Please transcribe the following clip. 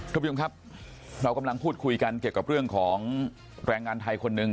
คุณผู้ชมครับเรากำลังพูดคุยกันเกี่ยวกับเรื่องของแรงงานไทยคนหนึ่ง